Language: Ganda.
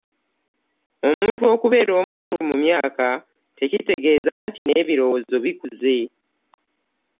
Omuntu okubeera omukulu mu myaka tekitegeeza nti n'ebirowoozo bikuze.